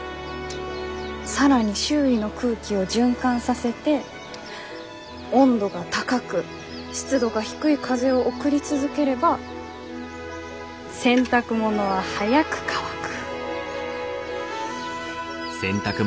更に周囲の空気を循環させて温度が高く湿度が低い風を送り続ければ洗濯物は早く乾く」！